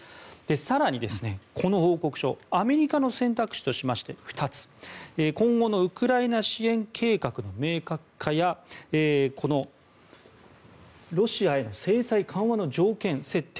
更に、この報告書アメリカの選択肢としまして２つ今後のウクライナ支援計画の明確化やこのロシアへの制裁緩和の条件設定